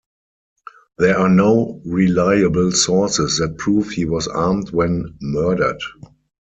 There are no reliable sources that prove he was armed when murdered.